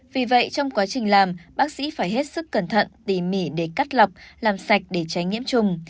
vì vậy trong quá trình làm bác sĩ phải hết sức cẩn thận tỉ mỉ để cắt lọc làm sạch để tránh nhiễm trùng